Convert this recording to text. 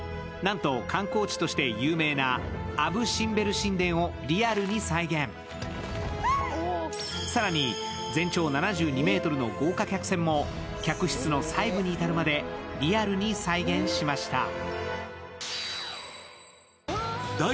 なんと観光地として有名なアブ・シンベル神殿をリアルに再現更に全長７２ｍの豪華客船も客室の細部に至るまでリアルに再現しました。